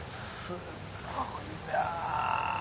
すっごいな。